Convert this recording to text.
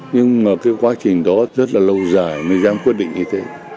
nhưng mà cái quá trình đó rất là lâu dài mới dám quyết định như thế